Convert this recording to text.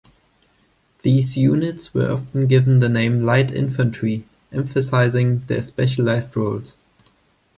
These units were often given the name "light infantry", emphasising their specialised roles.